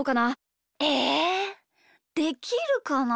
えできるかな。